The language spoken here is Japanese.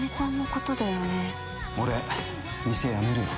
俺、店辞めるわ。